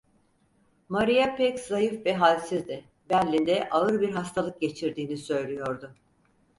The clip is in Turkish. Maria pek zayıf ve halsizdi, Berlin'de ağır bir hastalık geçirdiğini söylüyordu.